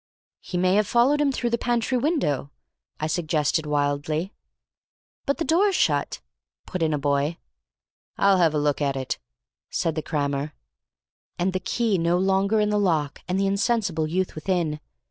"He may have followed him through the pantry window," I suggested wildly. "But the door's shut," put in a boy. "I'll have a look at it," said the crammer. And the key no longer in the lock, and the insensible youth within!